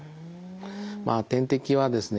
まあ点滴はですね